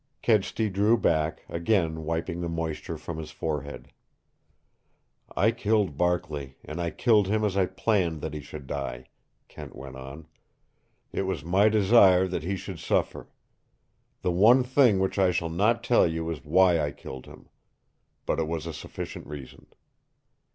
Kedsty drew back, again wiping the moisture from his forehead. "I killed Barkley, and I killed him as I planned that he should die," Kent went on. "It was my desire that he should suffer. The one thing which I shall not tell you is WHY I killed him. But it was a sufficient reason."